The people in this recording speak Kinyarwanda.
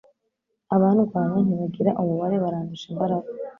abandwanya ntibagira umubare barandusha imbaraga